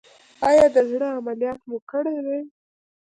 ایا د زړه عملیات مو کړی دی؟